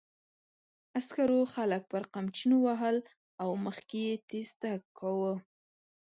عسکرو خلک پر قمچینو وهل او مخکې یې تېز تګ کاوه.